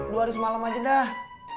dua hari semalam aja dah